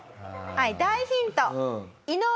はい大ヒント。